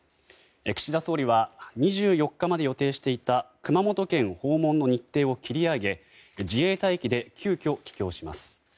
岸田総理は２４日まで予定していた熊本県訪問の日程を切り上げ自衛隊機で急きょ帰京します。